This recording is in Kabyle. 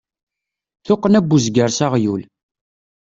Tuqqna n uzger s aɣyul.